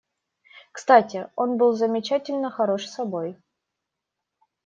Кстати, он был замечательно хорош собой.